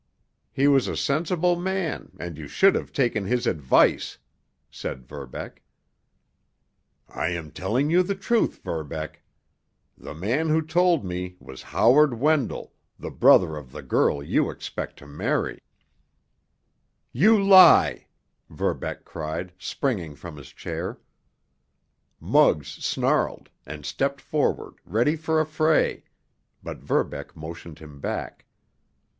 "He was a sensible man, and you should have taken his advice," said Verbeck. "I am telling you the truth, Verbeck. The man who told me was Howard Wendell, the brother of the girl you expect to marry." "You lie!" Verbeck cried, springing from his chair. Muggs snarled, and stepped forward, ready for a fray, but Verbeck motioned him back.